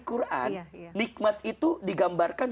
quran nikmat itu digambarkan